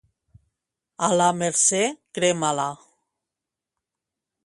A la Mercè, crema-la.